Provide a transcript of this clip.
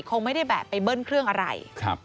คงไม่ได้แบบไปเบิ้ลเครื่องอะไร